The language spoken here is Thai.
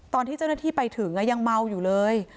ตอนที่เจ้าหน้าที่ไปถึงยังเมาอยู่เลย